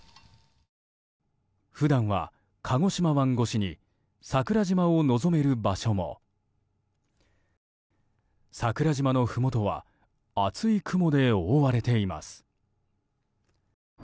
普段は鹿児島湾越しに桜島を望める場所も桜島のふもとは厚い雲で覆われています。